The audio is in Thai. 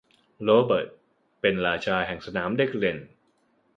โรเบิร์ตเป็นราชาแห่งสนามเด็กเล่น